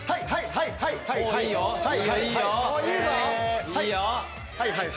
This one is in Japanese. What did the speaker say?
はいはいはいはい。